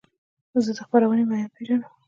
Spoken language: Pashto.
زه د خپرونې ویاند پیژنم.